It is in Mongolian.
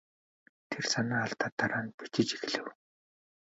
Тэр санаа алдаад дараа нь бичиж эхлэв.